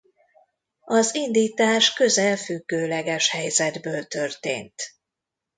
Az indítás közel függőleges helyzetből történt.